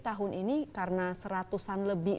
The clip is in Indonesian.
tahun ini karena seratusan lebih